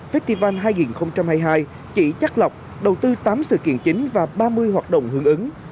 festival hai nghìn hai mươi hai chỉ chắt lọc đầu tư tám sự kiện chính và ba mươi hoạt động hưởng ứng